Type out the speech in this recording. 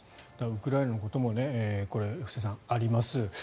ウクライナのことも布施さん、あります。